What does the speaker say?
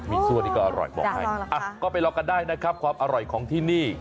มีซั่วนี่ก็อร่อยบอกให้ก็ไปลองกันได้นะครับความอร่อยของที่นี่